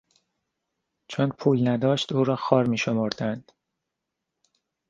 چون پول نداشت او را خوار میشمردند.